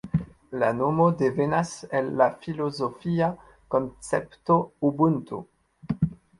La nomo devenas el la filozofia koncepto Ubuntu.